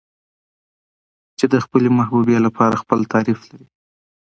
چې د خپلې محبوبې لپاره خپل تعريف لري.